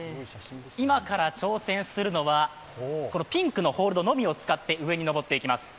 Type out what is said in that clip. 今から挑戦するのはピンクのホールドのみを使って上に登っていきます。